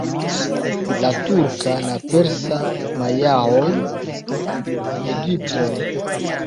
La turka, la persa, majaoj, egiptoj.